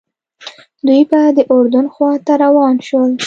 دوی به د اردن خواته روان شول.